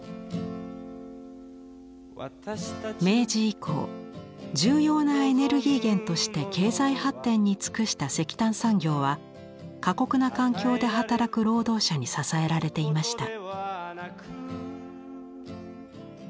明治以降重要なエネルギー源として経済発展に尽くした石炭産業は過酷な環境で働く労働者に支えられていました。